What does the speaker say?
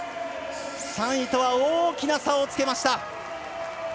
３位とは大きな差をつけました。